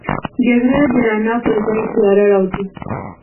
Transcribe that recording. جګړه د رڼا پر ځای تیاره راولي